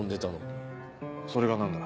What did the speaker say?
それが何だ。